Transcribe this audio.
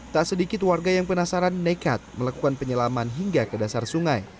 tak sedikit warga yang penasaran nekat melakukan penyelaman hingga ke dasar sungai